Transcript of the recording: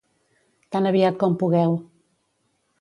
Tan aviat com pugueu.